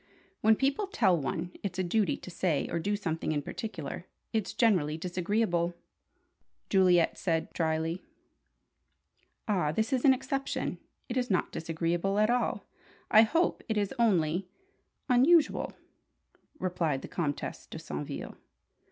"When people tell one it's a duty to say or do something in particular, it's generally disagreeable," Juliet said, drily. "Ah, this is an exception! It is not disagreeable at all I hope. It is only unusual," replied the Comtesse de Saintville.